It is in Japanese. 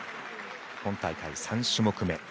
今大会、３種目め。